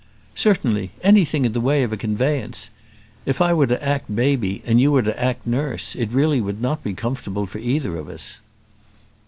"Certainly; anything in the way of a conveyance. If I were to act baby; and you were to act nurse, it really would not be comfortable for either of us."